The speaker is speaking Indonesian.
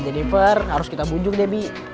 jennifer harus kita bunjuk deh bi